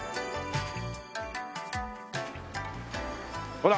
ほら！